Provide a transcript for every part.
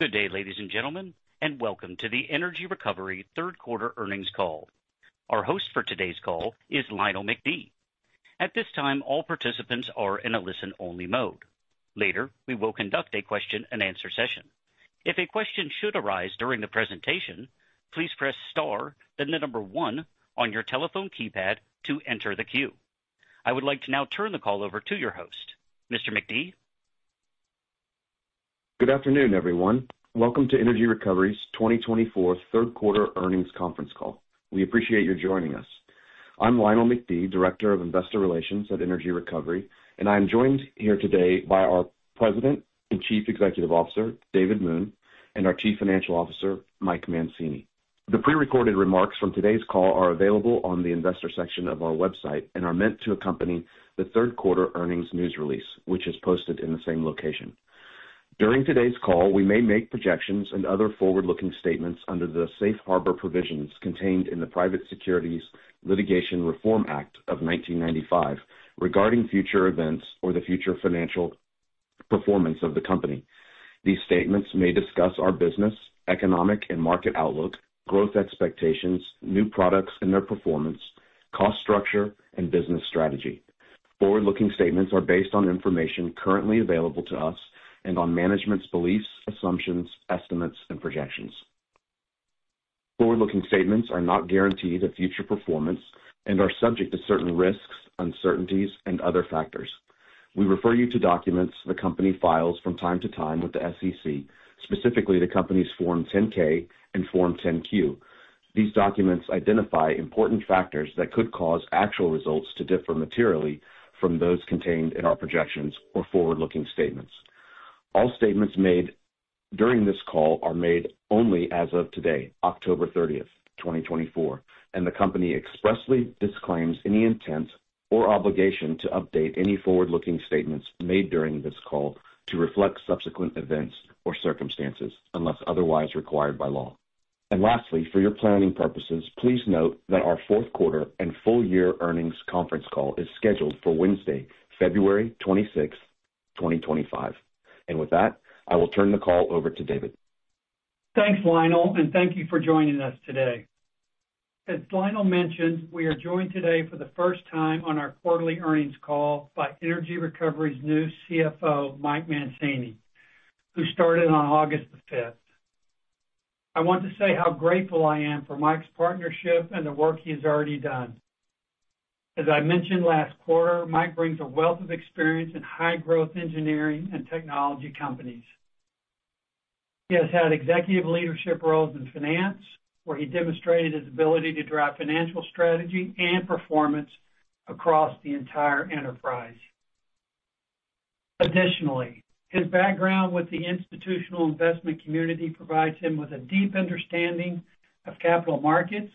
Good day, ladies and gentlemen, and welcome to the Energy Recovery third-quarter earnings call. Our host for today's call is Lionel McBee. At this time, all participants are in a listen-only mode. Later, we will conduct a question-and-answer session. If a question should arise during the presentation, please press star, then the number one on your telephone keypad to enter the queue. I would like to now turn the call over to your host, Mr. McBee. Good afternoon, everyone. Welcome to Energy Recovery's 2024 third-quarter earnings conference call. We appreciate your joining us. I'm Lionel McBee, Director of Investor Relations at Energy Recovery, and I am joined here today by our President and Chief Executive Officer, David Moon, and our Chief Financial Officer, Mike Mancini. The pre-recorded remarks from today's call are available on the investor section of our website and are meant to accompany the third-quarter earnings news release, which is posted in the same location. During today's call, we may make projections and other forward-looking statements under the safe harbor provisions contained in the Private Securities Litigation Reform Act of 1995 regarding future events or the future financial performance of the company. These statements may discuss our business, economic and market outlook, growth expectations, new products and their performance, cost structure, and business strategy. Forward-looking statements are based on information currently available to us and on management's beliefs, assumptions, estimates, and projections. Forward-looking statements are not guaranteed of future performance and are subject to certain risks, uncertainties, and other factors. We refer you to documents the company files from time to time with the SEC, specifically the company's Form 10-K and Form 10-Q. These documents identify important factors that could cause actual results to differ materially from those contained in our projections or forward-looking statements. All statements made during this call are made only as of today, October 30th, 2024, and the company expressly disclaims any intent or obligation to update any forward-looking statements made during this call to reflect subsequent events or circumstances unless otherwise required by law. And lastly, for your planning purposes, please note that our fourth-quarter and full-year earnings conference call is scheduled for Wednesday, February 26th, 2025. And with that, I will turn the call over to David. Thanks, Lionel, and thank you for joining us today. As Lionel mentioned, we are joined today for the first time on our quarterly earnings call by Energy Recovery's new CFO, Mike Mancini, who started on August the 5th. I want to say how grateful I am for Mike's partnership and the work he has already done. As I mentioned last quarter, Mike brings a wealth of experience in high-growth engineering and technology companies. He has had executive leadership roles in finance, where he demonstrated his ability to drive financial strategy and performance across the entire enterprise. Additionally, his background with the institutional investment community provides him with a deep understanding of capital markets,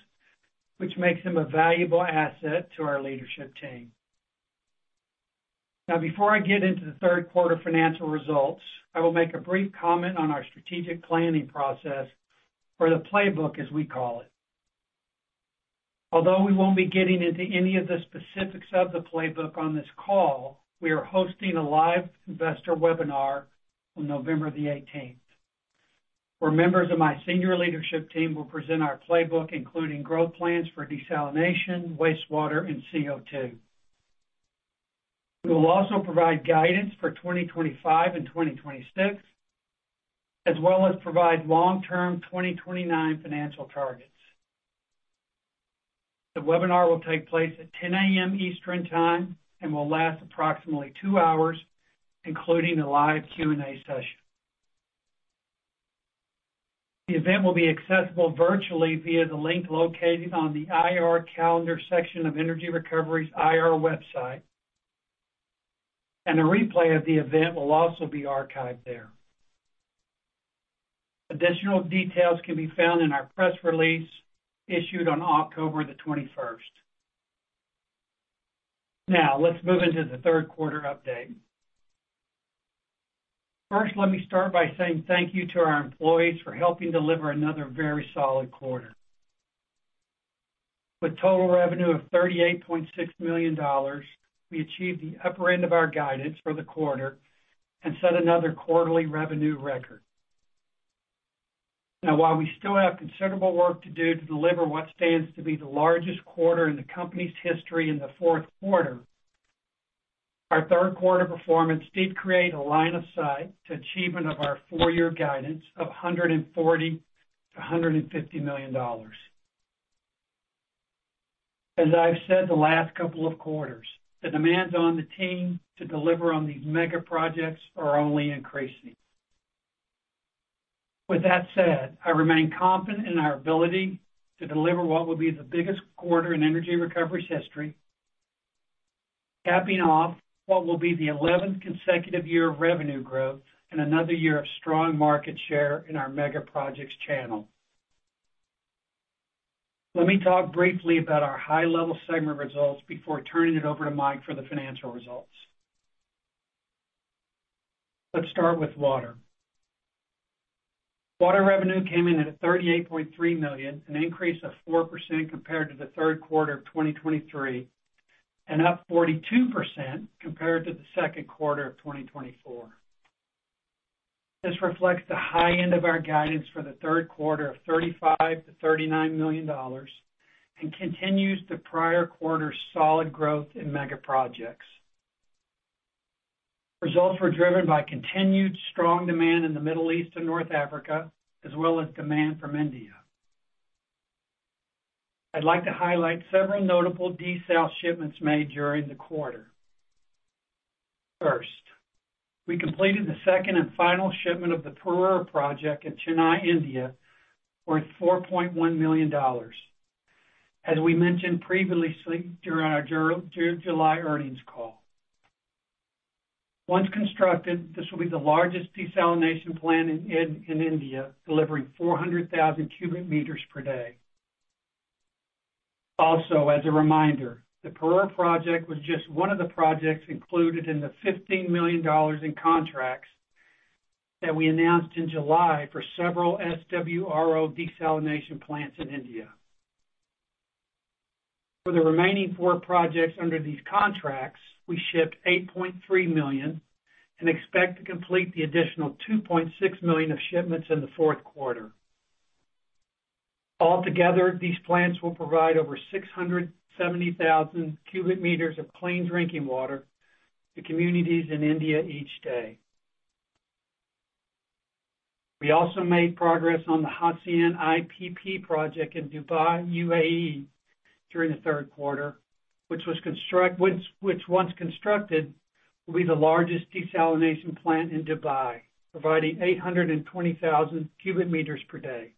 which makes him a valuable asset to our leadership team. Now, before I get into the third-quarter financial results, I will make a brief comment on our strategic planning process or the playbook, as we call it. Although we won't be getting into any of the specifics of the playbook on this call, we are hosting a live investor webinar on November the 18th, where members of my senior leadership team will present our playbook, including growth plans for desalination, wastewater, and CO2. We will also provide guidance for 2025 and 2026, as well as provide long-term 2029 financial targets. The webinar will take place at 10:00 A.M. Eastern Time and will last approximately two hours, including a live Q&A session. The event will be accessible virtually via the link located on the IR calendar section of Energy Recovery's IR website, and a replay of the event will also be archived there. Additional details can be found in our press release issued on October the 21st. Now, let's move into the third-quarter update. First, let me start by saying thank you to our employees for helping deliver another very solid quarter. With total revenue of $38.6 million, we achieved the upper end of our guidance for the quarter and set another quarterly revenue record. Now, while we still have considerable work to do to deliver what stands to be the largest quarter in the company's history in the fourth quarter, our third-quarter performance did create a line of sight to achievement of our four-year guidance of $140-$150 million. As I've said the last couple of quarters, the demands on the team to deliver on these mega projects are only increasing. With that said, I remain confident in our ability to deliver what will be the biggest quarter in Energy Recovery's history, capping off what will be the 11th consecutive year of revenue growth and another year of strong market share in our mega projects channel. Let me talk briefly about our high-level segment results before turning it over to Mike for the financial results. Let's start with water. Water revenue came in at $38.3 million, an increase of 4% compared to the third quarter of 2023, and up 42% compared to the second quarter of 2024. This reflects the high end of our guidance for the third quarter of $35-$39 million and continues the prior quarter's solid growth in mega projects. Results were driven by continued strong demand in the Middle East and North Africa, as well as demand from India. I'd like to highlight several notable desal shipments made during the quarter. First, we completed the second and final shipment of the Perur project in Chennai, India, worth $4.1 million, as we mentioned previously during our July earnings call. Once constructed, this will be the largest desalination plant in India, delivering 400,000 cubic meters per day. Also, as a reminder, the Perur project was just one of the projects included in the $15 million in contracts that we announced in July for several SWRO desalination plants in India. For the remaining four projects under these contracts, we shipped $8.3 million and expect to complete the additional $2.6 million of shipments in the fourth quarter. Altogether, these plants will provide over 670,000 cubic meters of clean drinking water to communities in India each day. We also made progress on the Hassyan IPP project in Dubai, UAE, during the third quarter, which, once constructed, will be the largest desalination plant in Dubai, providing 820,000 cubic meters per day.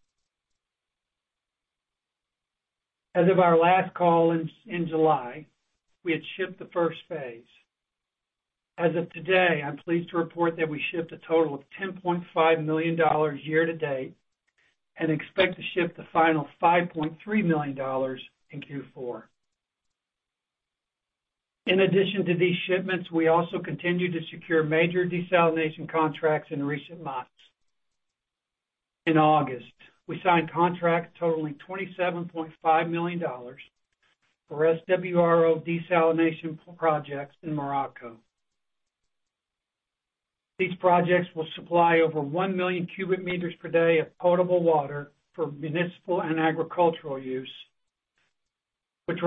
As of our last call in July, we had shipped the first phase. As of today, I'm pleased to report that we shipped a total of $10.5 million year to date and expect to ship the final $5.3 million in Q4. In addition to these shipments, we also continue to secure major desalination contracts in recent months. In August, we signed contracts totaling $27.5 million for SWRO desalination projects in Morocco. These projects will supply over 1 million cubic meters per day of potable water for municipal and agricultural use, which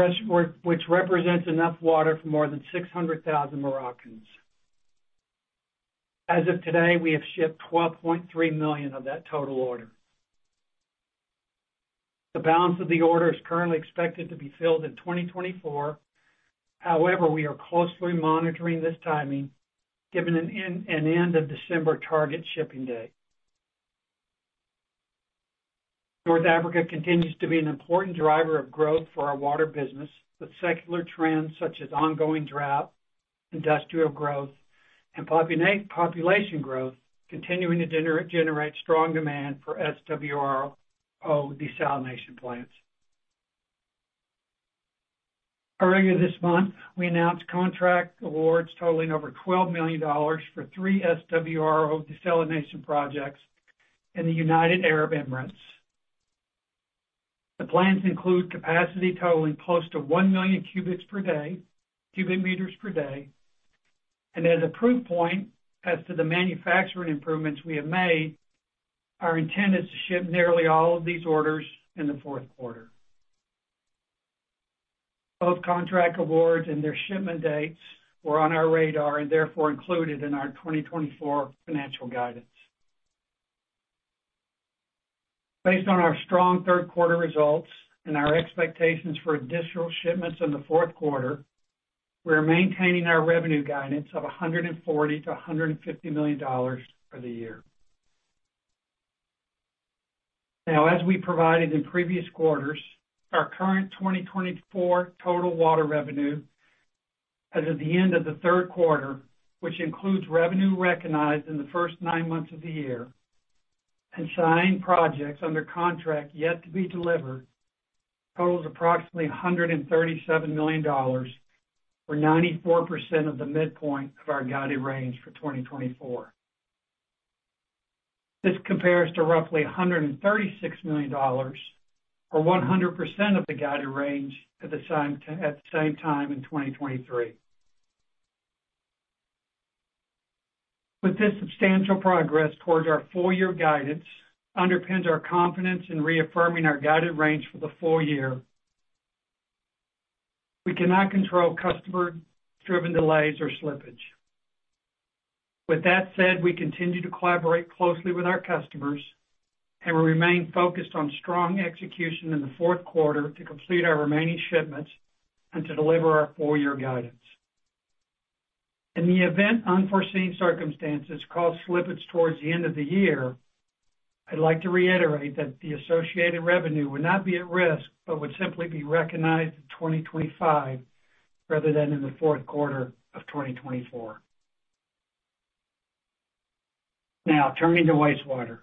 represents enough water for more than 600,000 Moroccans. As of today, we have shipped $12.3 million of that total order. The balance of the order is currently expected to be filled in 2024. However, we are closely monitoring this timing, given an end-of-December target shipping date. North Africa continues to be an important driver of growth for our water business, with secular trends such as ongoing drought, industrial growth, and population growth continuing to generate strong demand for SWRO desalination plants. Earlier this month, we announced contract awards totaling over $12 million for three SWRO desalination projects in the United Arab Emirates. The plans include capacity totaling close to one million cubic meters per day, and as a proof point as to the manufacturing improvements we have made, our intent is to ship nearly all of these orders in the fourth quarter. Both contract awards and their shipment dates were on our radar and therefore included in our 2024 financial guidance. Based on our strong third-quarter results and our expectations for additional shipments in the fourth quarter, we are maintaining our revenue guidance of $140-$150 million for the year. Now, as we provided in previous quarters, our current 2024 total water revenue, as of the end of the third quarter, which includes revenue recognized in the first nine months of the year and signed projects under contract yet to be delivered, totals approximately $137 million, or 94% of the midpoint of our guided range for 2024. This compares to roughly $136 million, or 100% of the guided range at the same time in 2023. With this substantial progress towards our four-year guidance, underpins our confidence in reaffirming our guided range for the full year. We cannot control customer-driven delays or slippage. With that said, we continue to collaborate closely with our customers and will remain focused on strong execution in the fourth quarter to complete our remaining shipments and to deliver our four-year guidance. In the event unforeseen circumstances cause slippage towards the end of the year, I'd like to reiterate that the associated revenue would not be at risk, but would simply be recognized in 2025 rather than in the fourth quarter of 2024. Now, turning to wastewater.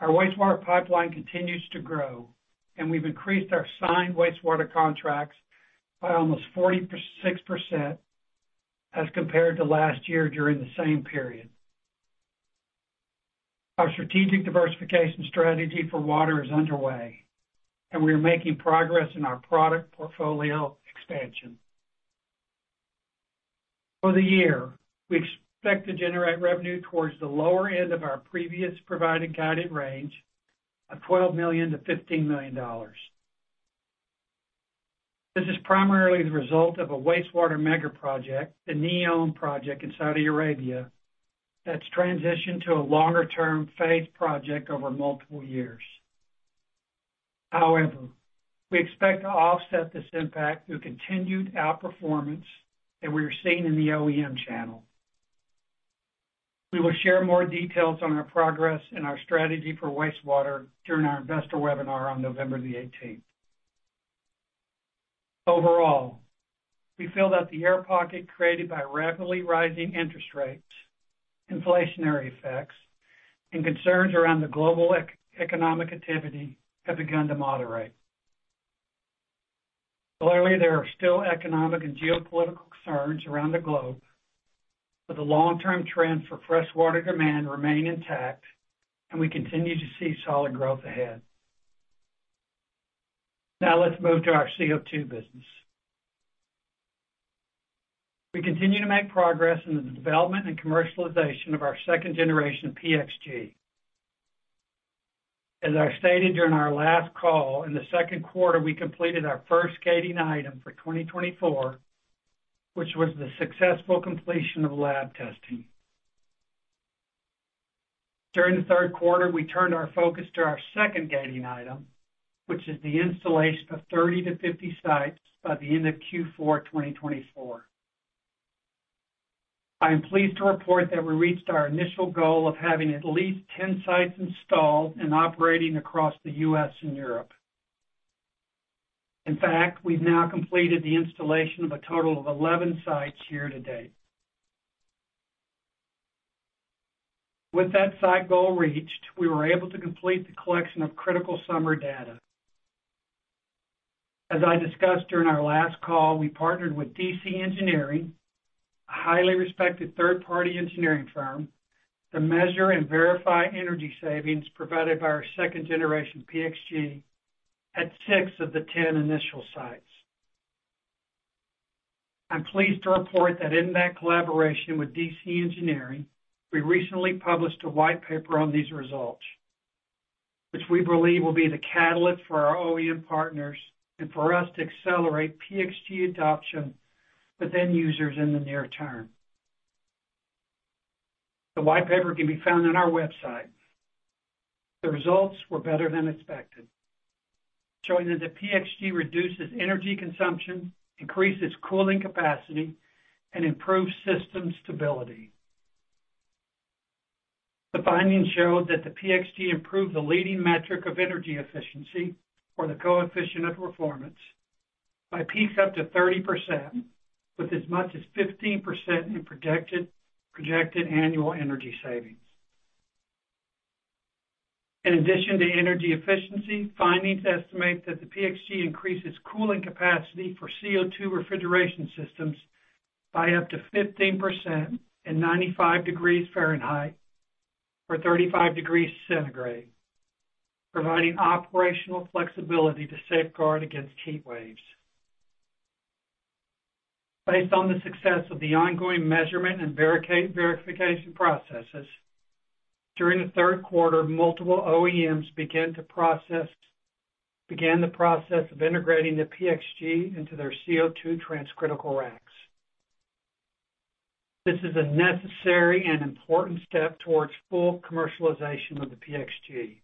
Our wastewater pipeline continues to grow, and we've increased our signed wastewater contracts by almost 46% as compared to last year during the same period. Our strategic diversification strategy for water is underway, and we are making progress in our product portfolio expansion. For the year, we expect to generate revenue towards the lower end of our previously provided guided range of $12 million-$15 million. This is primarily the result of a wastewater mega project, the NEOM project in Saudi Arabia, that's transitioned to a longer-term phase project over multiple years. However, we expect to offset this impact through continued outperformance that we are seeing in the OEM channel. We will share more details on our progress and our strategy for wastewater during our investor webinar on November the 18th. Overall, we feel that the air pocket created by rapidly rising interest rates, inflationary effects, and concerns around the global economic activity have begun to moderate. Clearly, there are still economic and geopolitical concerns around the globe, but the long-term trend for freshwater demand remains intact, and we continue to see solid growth ahead. Now, let's move to our CO2 business. We continue to make progress in the development and commercialization of our second-generation PXG. As I stated during our last call, in the second quarter, we completed our first gating item for 2024, which was the successful completion of lab testing. During the third quarter, we turned our focus to our second gating item, which is the installation of 30-50 sites by the end of Q4 2024. I am pleased to report that we reached our initial goal of having at least 10 sites installed and operating across the U.S. and Europe. In fact, we've now completed the installation of a total of 11 sites year to date. With that site goal reached, we were able to complete the collection of critical summary data. As I discussed during our last call, we partnered with DC Engineering, a highly respected third-party engineering firm, to measure and verify energy savings provided by our second-generation PXG at six of the 10 initial sites. I'm pleased to report that in that collaboration with DC Engineering, we recently published a white paper on these results, which we believe will be the catalyst for our OEM partners and for us to accelerate PXG adoption with end users in the near term. The white paper can be found on our website. The results were better than expected, showing that the PXG reduces energy consumption, increases cooling capacity, and improves system stability. The findings showed that the PXG improved the leading metric of energy efficiency, or the coefficient of performance, by peaks up to 30%, with as much as 15% in projected annual energy savings. In addition to energy efficiency, findings estimate that the PXG increases cooling capacity for CO2 refrigeration systems by up to 15% in 95 degrees Fahrenheit or 35 degrees Centigrade, providing operational flexibility to safeguard against heat waves. Based on the success of the ongoing measurement and verification processes, during the third quarter, multiple OEMs began the process of integrating the PXG into their CO2 transcritical racks. This is a necessary and important step towards full commercialization of the PXG.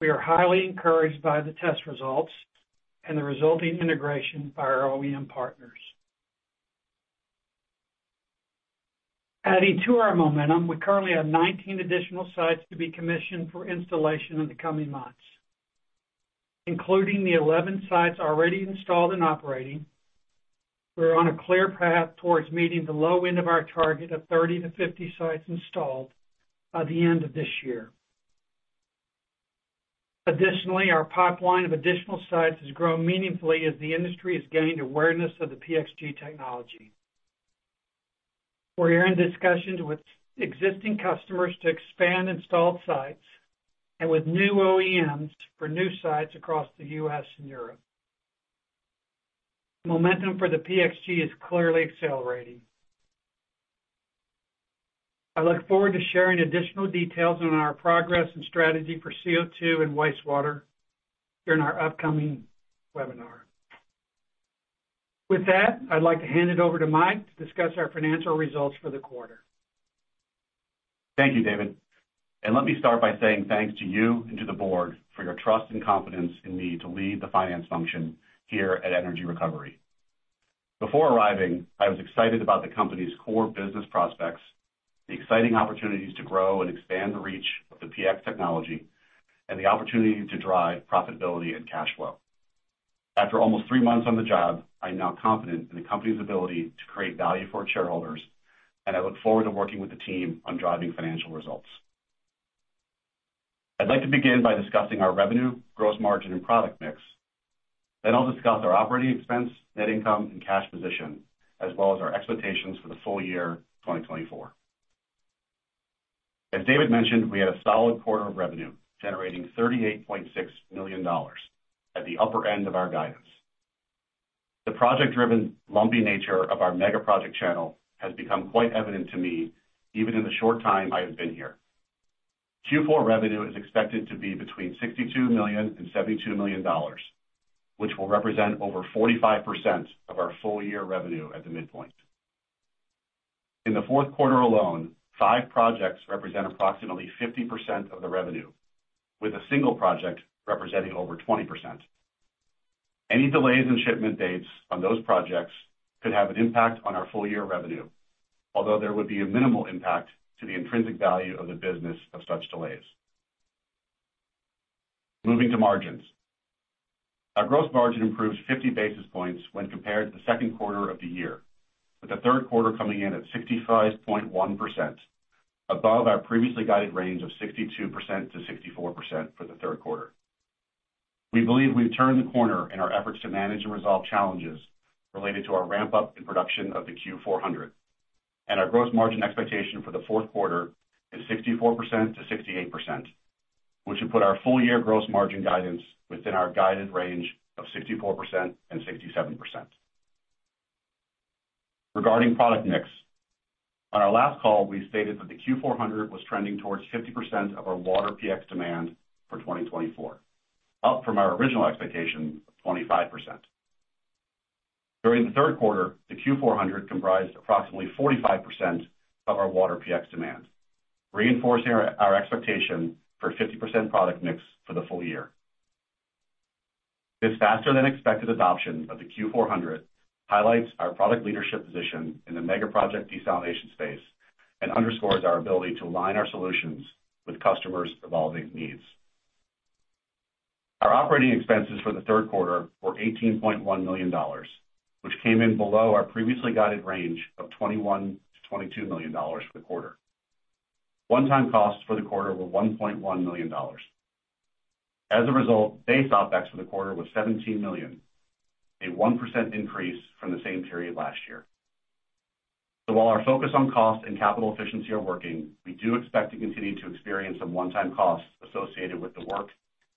We are highly encouraged by the test results and the resulting integration by our OEM partners. Adding to our momentum, we currently have 19 additional sites to be commissioned for installation in the coming months. Including the 11 sites already installed and operating, we're on a clear path towards meeting the low end of our target of 30-50 sites installed by the end of this year. Additionally, our pipeline of additional sites has grown meaningfully as the industry has gained awareness of the PXG technology. We're here in discussions with existing customers to expand installed sites and with new OEMs for new sites across the U.S. and Europe. Momentum for the PXG is clearly accelerating. I look forward to sharing additional details on our progress and strategy for CO2 and wastewater during our upcoming webinar. With that, I'd like to hand it over to Mike to discuss our financial results for the quarter. Thank you, David, and let me start by saying thanks to you and to the board for your trust and confidence in me to lead the finance function here at Energy Recovery. Before arriving, I was excited about the company's core business prospects, the exciting opportunities to grow and expand the reach of the PX technology, and the opportunity to drive profitability and cash flow. After almost three months on the job, I'm now confident in the company's ability to create value for shareholders, and I look forward to working with the team on driving financial results. I'd like to begin by discussing our revenue, gross margin, and product mix. Then I'll discuss our operating expense, net income, and cash position, as well as our expectations for the full year 2024. As David mentioned, we had a solid quarter of revenue generating $38.6 million at the upper end of our guidance. The project-driven, lumpy nature of our mega project channel has become quite evident to me even in the short time I have been here. Q4 revenue is expected to be between $62 million and $72 million, which will represent over 45% of our full-year revenue at the midpoint. In the fourth quarter alone, five projects represent approximately 50% of the revenue, with a single project representing over 20%. Any delays in shipment dates on those projects could have an impact on our full-year revenue, although there would be a minimal impact to the intrinsic value of the business of such delays. Moving to margins. Our gross margin improved 50 basis points when compared to the second quarter of the year, with the third quarter coming in at 65.1%, above our previously guided range of 62%-64% for the third quarter. We believe we've turned the corner in our efforts to manage and resolve challenges related to our ramp-up in production of the Q400. And our gross margin expectation for the fourth quarter is 64%-68%, which would put our full-year gross margin guidance within our guided range of 64% and 67%. Regarding product mix, on our last call, we stated that the Q400 was trending towards 50% of our water PX demand for 2024, up from our original expectation of 25%. During the third quarter, the Q400 comprised approximately 45% of our water PX demand, reinforcing our expectation for a 50% product mix for the full year. This faster-than-expected adoption of the Q400 highlights our product leadership position in the mega project desalination space and underscores our ability to align our solutions with customers' evolving needs. Our operating expenses for the third quarter were $18.1 million, which came in below our previously guided range of $21-$22 million for the quarter. One-time costs for the quarter were $1.1 million. As a result, base OpEx for the quarter was $17 million, a 1% increase from the same period last year. So while our focus on cost and capital efficiency are working, we do expect to continue to experience some one-time costs associated with the work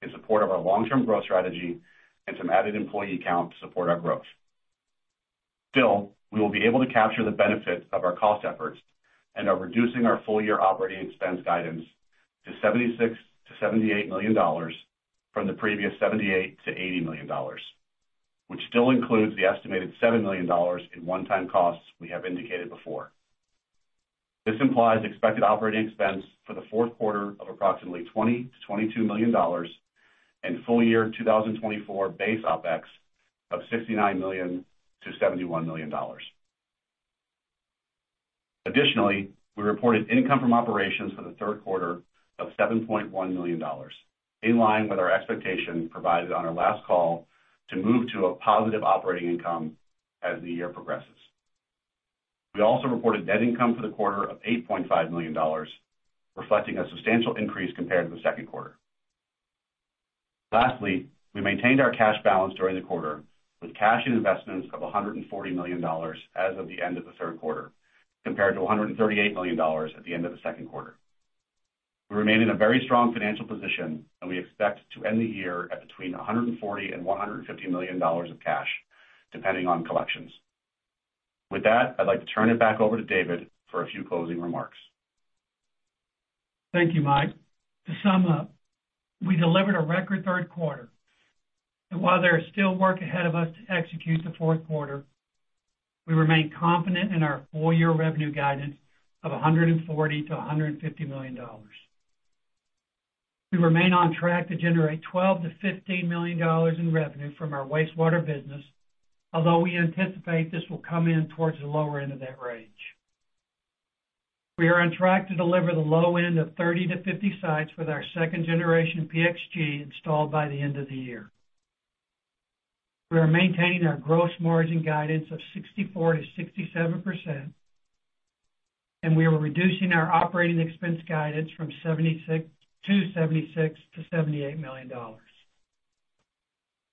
in support of our long-term growth strategy and some added employee count to support our growth. Still, we will be able to capture the benefit of our cost efforts and are reducing our full-year operating expense guidance to $76-$78 million from the previous $78-$80 million, which still includes the estimated $7 million in one-time costs we have indicated before. This implies expected operating expense for the fourth quarter of approximately $20-$22 million and full-year 2024 base OpEx of $69-$71 million. Additionally, we reported income from operations for the third quarter of $7.1 million, in line with our expectation provided on our last call to move to a positive operating income as the year progresses. We also reported net income for the quarter of $8.5 million, reflecting a substantial increase compared to the second quarter. Lastly, we maintained our cash balance during the quarter with cash and investments of $140 million as of the end of the third quarter, compared to $138 million at the end of the second quarter. We remain in a very strong financial position, and we expect to end the year at between $140 and $150 million of cash, depending on collections. With that, I'd like to turn it back over to David for a few closing remarks. Thank you, Mike. To sum up, we delivered a record third quarter. And while there is still work ahead of us to execute the fourth quarter, we remain confident in our full-year revenue guidance of $140-$150 million. We remain on track to generate $12-$15 million in revenue from our wastewater business, although we anticipate this will come in towards the lower end of that range. We are on track to deliver the low end of 30-50 sites with our second-generation PXG installed by the end of the year. We are maintaining our gross margin guidance of 64%-67%, and we are reducing our operating expense guidance from $76-$78 million.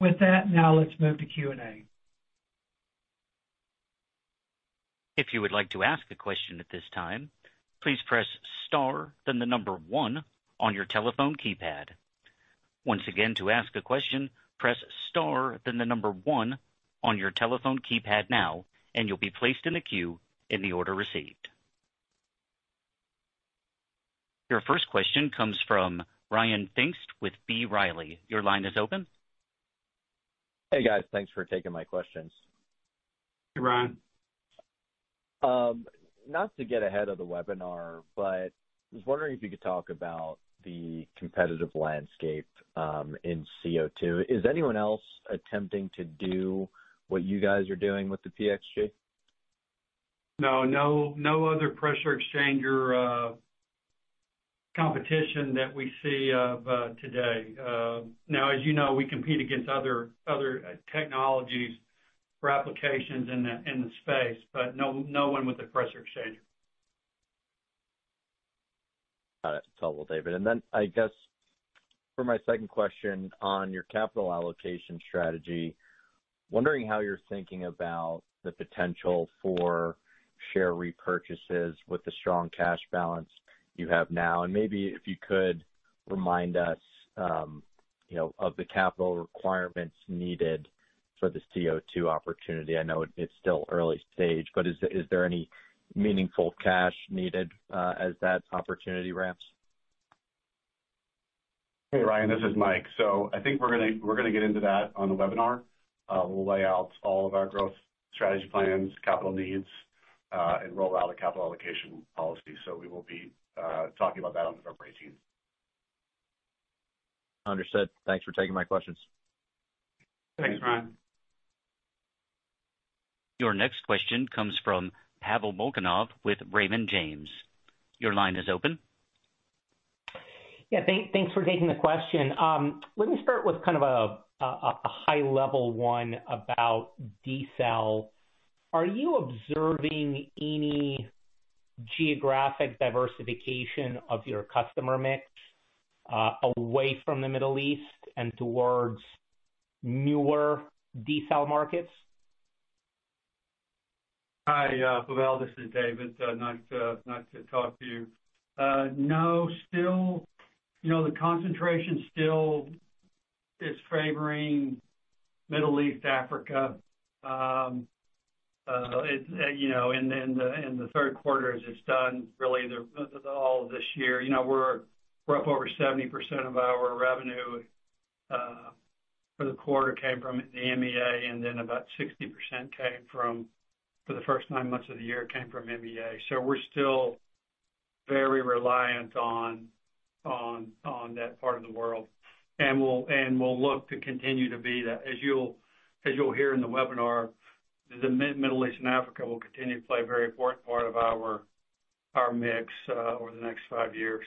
With that, now let's move to Q&A. If you would like to ask a question at this time, please press star, then the number one on your telephone keypad. Once again, to ask a question, press star, then the number one on your telephone keypad now, and you'll be placed in the queue in the order received. Your first question comes from Ryan Pfingst with B. Riley Securities. Your line is open. Hey, guys. Thanks for taking my questions. Hey, Ryan. Not to get ahead of the webinar, but I was wondering if you could talk about the competitive landscape in CO2. Is anyone else attempting to do what you guys are doing with the PXG? No, no other pressure exchanger competition that we see of today. Now, as you know, we compete against other technologies for applications in the space, but no one with a pressure exchanger. Got it. Total, David. And then I guess for my second question on your capital allocation strategy, wondering how you're thinking about the potential for share repurchases with the strong cash balance you have now. And maybe if you could remind us of the capital requirements needed for the CO2 opportunity. I know it's still early stage, but is there any meaningful cash needed as that opportunity ramps? Hey, Ryan. This is Mike. So I think we're going to get into that on the webinar. We'll lay out all of our growth strategy plans, capital needs, and roll out a capital allocation policy. So we will be talking about that on November 18th. Understood. Thanks for taking my questions. Thanks, Ryan. Your next question comes from Pavel Molchanov with Raymond James. Your line is open. Yeah. Thanks for taking the question. Let me start with kind of a high-level one about desal. Are you observing any geographic diversification of your customer mix away from the Middle East and towards newer desal markets? Hi, Pavel. This is David. Nice to talk to you. No, still the concentration still is favoring Middle East, Africa. In the third quarter, as it's done really all of this year, over 70% of our revenue for the quarter came from the MEA, and then about 60% came from for the first nine months of the year came from MEA. So we're still very reliant on that part of the world. We'll look to continue to be that. As you'll hear in the webinar, the Middle East and Africa will continue to play a very important part of our mix over the next five years.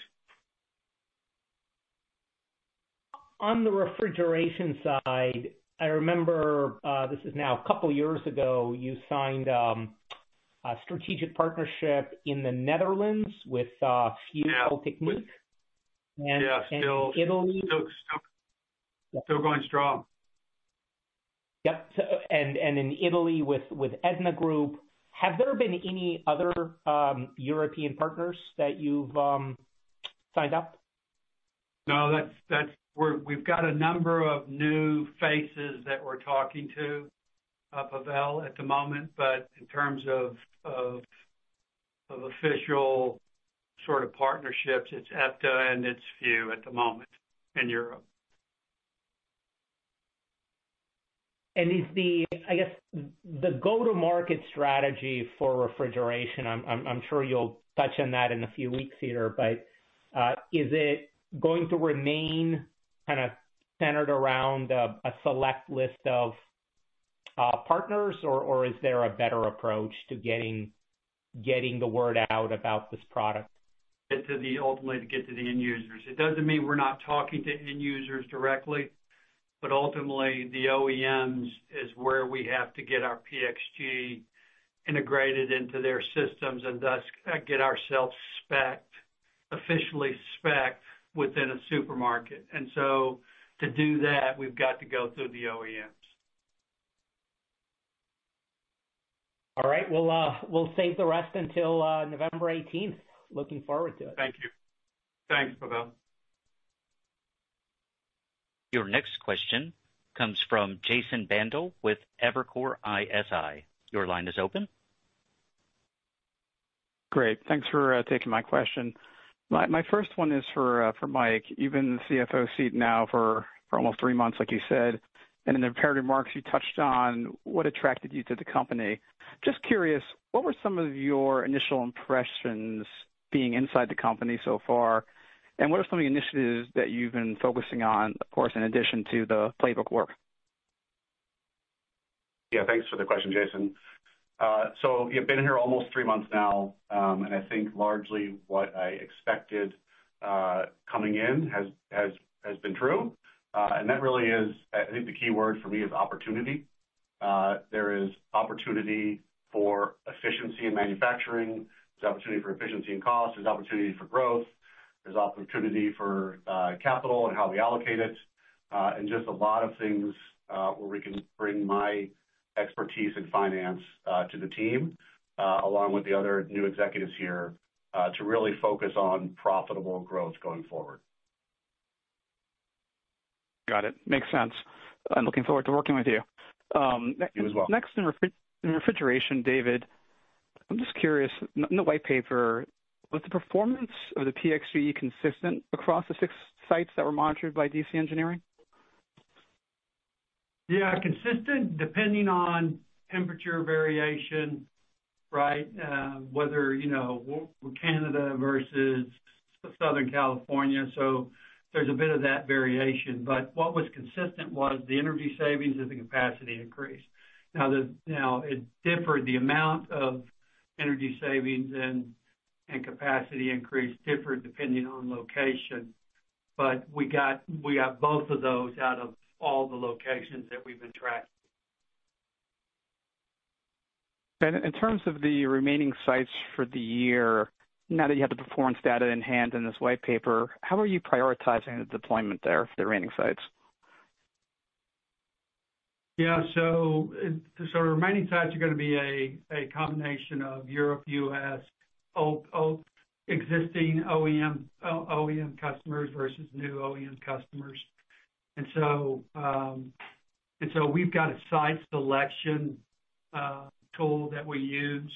On the refrigeration side, I remember this is now a couple of years ago, you signed a strategic partnership in the Netherlands with Fjord Techniek. And in Italy? Yeah. Still going strong. Yep. And in Italy with Epta Group. Have there been any other European partners that you've signed up? No, we've got a number of new faces that we're talking to, Pavel, at the moment. But in terms of official sort of partnerships, it's Epta and it's Fjord at the moment in Europe. And I guess the go-to-market strategy for refrigeration, I'm sure you'll touch on that in a few weeks here, but is it going to remain kind of centered around a select list of partners, or is there a better approach to getting the word out about this product? Ultimately, to get to the end users. It doesn't mean we're not talking to end users directly, but ultimately, the OEMs is where we have to get our PXG integrated into their systems and thus get ourselves officially specced within a supermarket. And so to do that, we've got to go through the OEMs. All right. We'll save the rest until November 18th. Looking forward to it. Thank you. Thanks, Pavel. Your next question comes from Jason Bandel with Evercore ISI. Your line is open. Great. Thanks for taking my question. My first one is for Mike. You've been in the CFO seat now for almost three months, like you said, and in the prepared remarks, you touched on what attracted you to the company. Just curious, what were some of your initial impressions being inside the company so far, and what are some of the initiatives that you've been focusing on, of course, in addition to the playbook work? Yeah. Thanks for the question, Jason. So you've been here almost three months now, and I think largely what I expected coming in has been true, and that really is, I think the key word for me is opportunity. There is opportunity for efficiency in manufacturing. There's opportunity for efficiency in cost. There's opportunity for growth. There's opportunity for capital and how we allocate it, and just a lot of things where we can bring my expertise in finance to the team, along with the other new executives here, to really focus on profitable growth going forward. Got it. Makes sense. I'm looking forward to working with you. You as well. Next, in refrigeration, David, I'm just curious, in the white paper, was the performance of the PXG consistent across the six sites that were monitored by DC Engineering? Yeah. Consistent depending on temperature variation, right, whether Canada versus Southern California, so there's a bit of that variation, but what was consistent was the energy savings and the capacity increase. Now, it differed. The amount of energy savings and capacity increase differed depending on location, but we got both of those out of all the locations that we've been tracking. And in terms of the remaining sites for the year, now that you have the performance data in hand in this white paper, how are you prioritizing the deployment there for the remaining sites? Yeah. So the remaining sites are going to be a combination of Europe, U.S., existing OEM customers versus new OEM customers. And so we've got a site selection tool that we use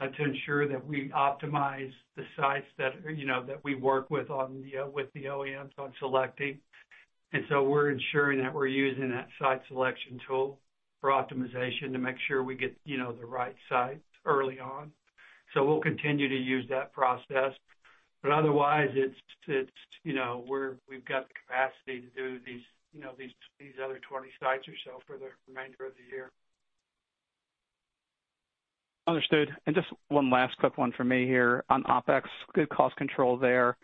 to ensure that we optimize the sites that we work with the OEMs on selecting. And so we're ensuring that we're using that site selection tool for optimization to make sure we get the right sites early on. So we'll continue to use that process. But otherwise, we've got the capacity to do these other 20 sites or so for the remainder of the year. Understood. And just one last quick one for me here on OpEx, good cost control there.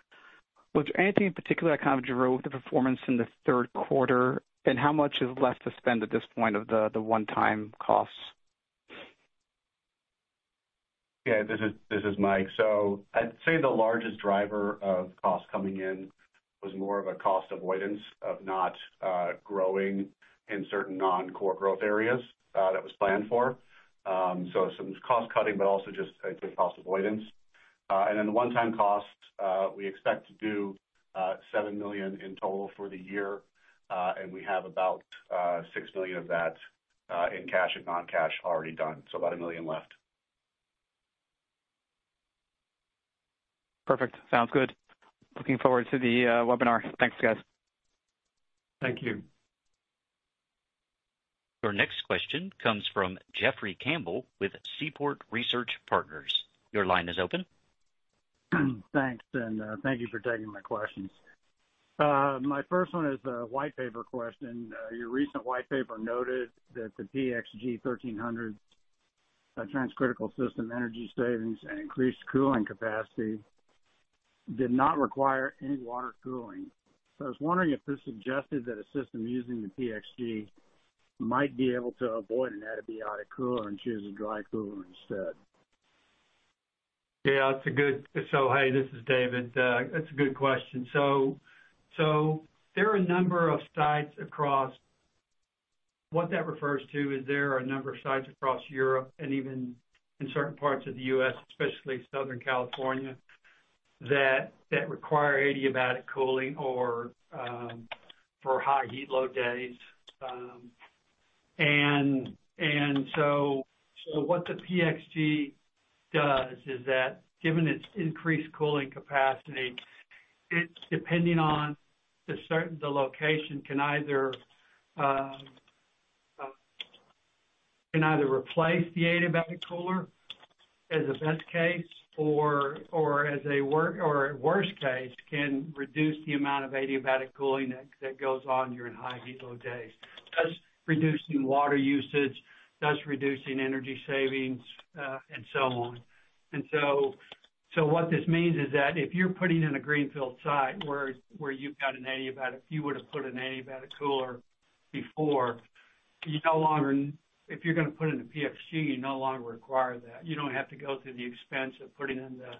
Was there anything in particular that kind of drove the performance in the third quarter, and how much is left to spend at this point of the one-time costs? Yeah. This is Mike. So I'd say the largest driver of cost coming in was more of a cost avoidance of not growing in certain non-core growth areas that was planned for. So some cost cutting, but also just, I'd say, cost avoidance. And then the one-time costs, we expect to do $7 million in total for the year, and we have about $6 million of that in cash and non-cash already done. So about $1 million left. Perfect. Sounds good. Looking forward to the webinar. Thanks, guys. Thank you. Your next question comes from Jeffrey Campbell with Seaport Research Partners. Your line is open. Thanks. And thank you for taking my questions. My first one is a white paper question. Your recent white paper noted that the PXG 1300's transcritical system energy savings and increased cooling capacity did not require any water cooling, so I was wondering if this suggested that a system using the PXG might be able to avoid an adiabatic cooler and choose a dry cooler instead. Yeah, so hey, this is David. That's a good question, so there are a number of sites across Europe and even in certain parts of the U.S., especially Southern California, that require adiabatic cooling for high heat load days, and so what the PXG does is that given its increased cooling capacity, depending on the location, can either replace the adiabatic cooler as a best case or, as a worst case, can reduce the amount of adiabatic cooling that goes on during high heat load days. That's reducing water usage, that's reducing energy savings, and so on. And so what this means is that if you're putting in a greenfield site where you've got an adiabatic, you would have put an adiabatic cooler before. If you're going to put in a PXG, you no longer require that. You don't have to go through the expense of putting in the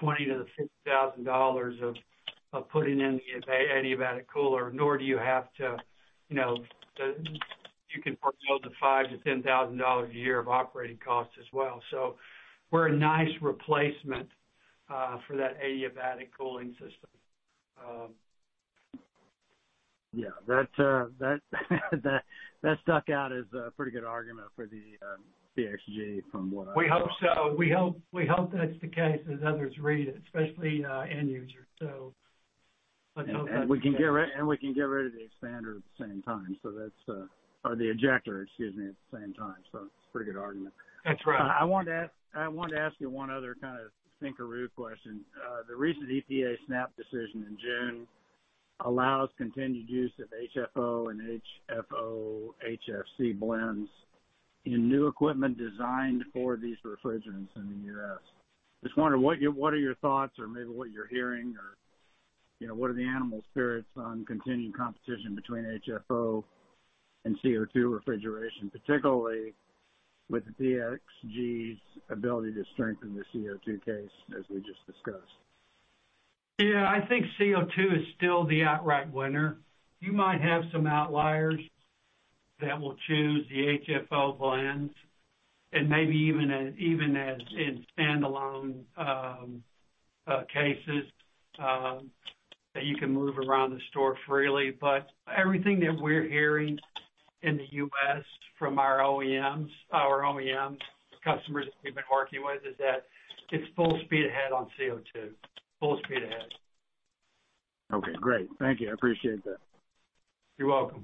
$20,000-$50,000 of putting in the adiabatic cooler, nor do you have to. You can forego the $5,000-$10,000 a year of operating costs as well. So we're a nice replacement for that adiabatic cooling system. Yeah. That stuck out as a pretty good argument for the PXG from what I've heard. We hope so. We hope that's the case as others read it, especially end users. So I hope that's the case. And we can get rid of the expander at the same time. So that's, or the ejector, excuse me, at the same time. So it's a pretty good argument. That's right. I wanted to ask you one other kind of think-around question. The recent EPA SNAP decision in June allows continued use of HFO and HFO-HFC blends in new equipment designed for these refrigerants in the U.S. Just wondered, what are your thoughts or maybe what you're hearing, or what are the animal spirits on continued competition between HFO and CO2 refrigeration, particularly with the PXG's ability to strengthen the CO2 case, as we just discussed? Yeah. I think CO2 is still the outright winner. You might have some outliers that will choose the HFO blends and maybe even in standalone cases that you can move around the store freely. But everything that we're hearing in the U.S. from our OEMs, our OEM customers that we've been working with, is that it's full speed ahead on CO2. Full speed ahead. Okay. Great. Thank you. I appreciate that. You're welcome.